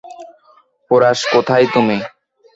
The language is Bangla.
পোরাস, কোথায় তুমি?